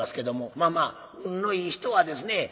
まあまあ運のいい人はですね